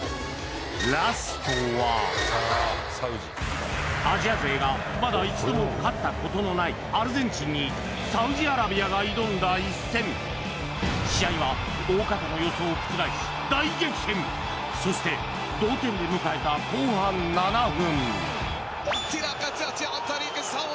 ラストはアジア勢がまだ一度も勝ったことのないアルゼンチンにサウジアラビアが挑んだ一戦試合は大方のそして同点で迎えた後半７分